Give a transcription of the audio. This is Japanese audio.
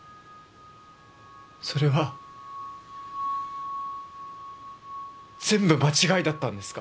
それは全部間違いだったんですか？